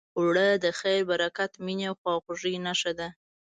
اوړه د خیر، برکت، مینې، خواخوږۍ نښه ده